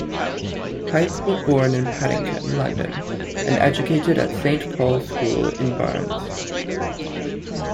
Pyke was born in Paddington, London and educated at Saint Paul's School in Barnes.